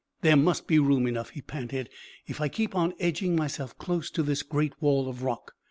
"There must be room enough," he panted, "if I keep on edging myself close to this great wall of rock."